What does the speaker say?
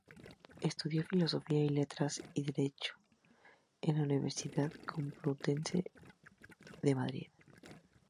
Estudió filosofía y letras y derecho en la Universidad Complutense de Madrid.